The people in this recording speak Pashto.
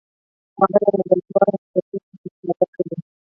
هغه له لابراتوار او کتابتون څخه استفاده کوي.